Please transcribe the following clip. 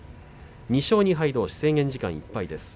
２勝２敗どうし制限時間いっぱいです。